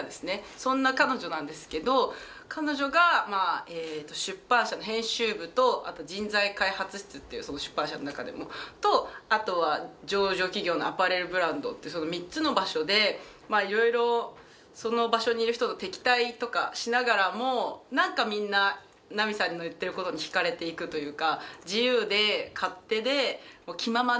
そんな彼女なんですけど彼女が出版社の編集部とあと人材開発室っていうその出版社の中でのとあとは上場企業のアパレルブランドってその３つの場所でいろいろその場所にいる人と敵対とかしながらも何かみんな奈美さんの言っていることに惹かれていくというか。